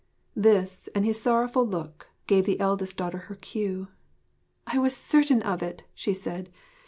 This, and his sorrowful look, gave the eldest daughter her cue. 'I was certain of it!' she said.